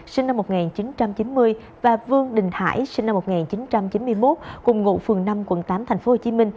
sinh năm một nghìn chín trăm chín mươi và vương đình hải sinh năm một nghìn chín trăm chín mươi một cùng ngụ phường năm quận tám tp hcm